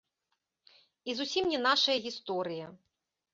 І зусім не нашая гісторыя.